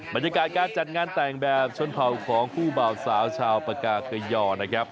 บรรยากาศการจัดงานแต่งแบบชนเผ่าของคู่บ่าวสาวชาวปากาเกยอนะครับ